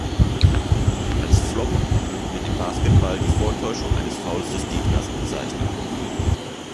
Als Flop wird im Basketball die Vortäuschung eines Fouls des Gegners bezeichnet.